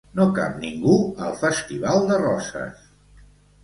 No cap ningú al festival de Roses.